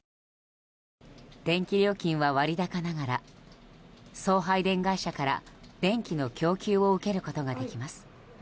電気料金は割高ながら送配電会社から電気の供給を受けることができます。